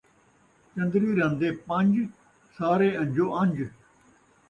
چن٘دری رن دے پن٘ج، سارے ان٘جو ان٘ج